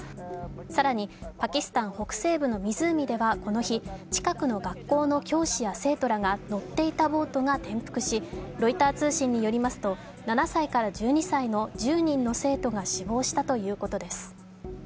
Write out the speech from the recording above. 更に、パキスタン北西部の湖ではこの日、近くの学校の教師や生徒らが乗っていたボートが転覆し、ロイター通信によりますと７歳から１２歳の１０人の生徒が死亡したということです。